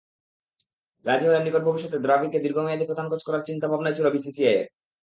রাজি হলে নিকট ভবিষ্যতে দ্রাবিড়কে দীর্ঘমেয়াদি প্রধান কোচ করার চিন্তাভাবনাই ছিল বিসিসিআইয়ের।